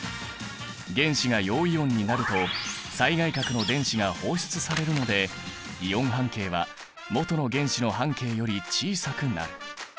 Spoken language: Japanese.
原子が陽イオンになると最外殻の電子が放出されるのでイオン半径はもとの原子の半径より小さくなる。